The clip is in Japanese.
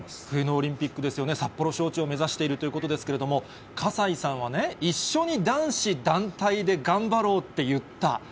冬のオリンピックですよね、札幌招致を目指しているということですけれども、葛西さんはね、一緒に男子団体で頑張ろうって言った。